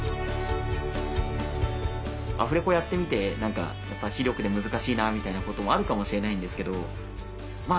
アフレコやってみて何か「視力で難しいな」みたいなこともあるかもしれないんですけどま